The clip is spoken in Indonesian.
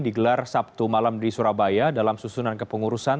digelar sabtu malam di surabaya dalam susunan kepengurusan